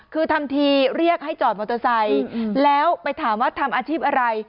คือทำทีเรียกให้จอดมอเตอร์ไซค์แล้วไปถามว่าทำอาชีพอะไร